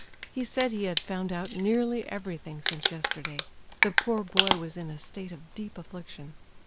He said he had found out nearly everything since yesterday; the poor boy was in a state of deep affliction.